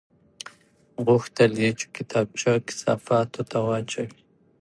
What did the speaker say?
غوښتل یې چې کتابچه کثافاتو ته واچوي